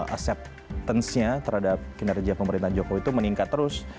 acceptance nya terhadap kinerja pemerintahan jokowi itu meningkat terus